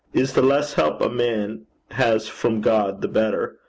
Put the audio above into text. Is the less help a man has from God the better?'